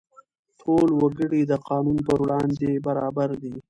ټول وګړي د قانون پر وړاندې برابر دي.